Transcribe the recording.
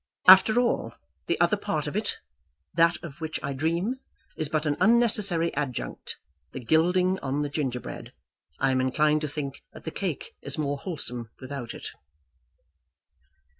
After all, the other part of it, that of which I dream, is but an unnecessary adjunct; the gilding on the gingerbread. I am inclined to think that the cake is more wholesome without it."